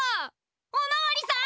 おまわりさん！